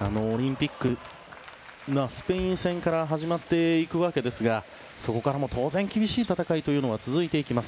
オリンピックはスペイン戦から始まるわけですがそこから当然、厳しい戦いが続いていきます。